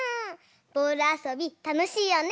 ボールあそびたのしいよね！